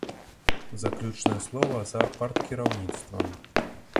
Заключнае слова за парткіраўніцтвам.